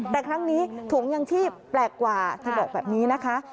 แต่ครั้งนี้ถุงยังชีพแปลกกว่าเธอบอกแบบนี้นะคะ